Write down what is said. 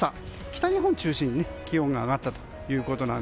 北日本中心に気温が上がりました。